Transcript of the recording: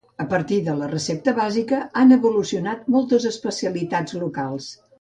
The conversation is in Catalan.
A partir de la recepta bàsica han evolucionat moltes especialitats locals.